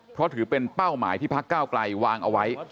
เพราะถือเป็นเป้าหมายที่พักเก้าไกลวางเอาไว้